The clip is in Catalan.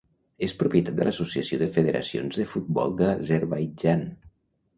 És propietat de l'Associació de Federacions de Futbol de l'Azerbaidjan.